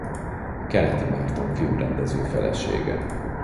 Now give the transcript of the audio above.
Keleti Márton filmrendező felesége.